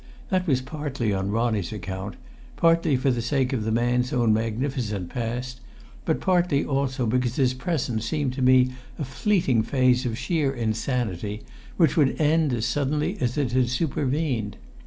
That was partly on Ronnie's account, partly for the sake of the man's own magnificent past, but partly also because his present seemed to me a fleeting phase of sheer insanity, which would end as suddenly as it had supervened.